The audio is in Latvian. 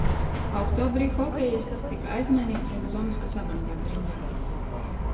"Oktobrī hokejists tika aizmainīts jau uz Omskas "Avangard" rindām."